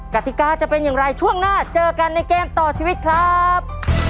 กติกาจะเป็นอย่างไรช่วงหน้าเจอกันในเกมต่อชีวิตครับ